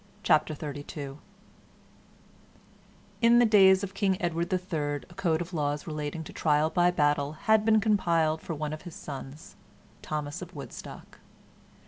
CHAPTER 32 In the days of King Edward III a code of laws relating to trial by battle had been compiled for one of his sons, Thomas of Woodstock.